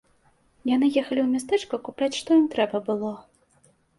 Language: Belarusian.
Яны ехалі ў мястэчка купляць што ім трэба было.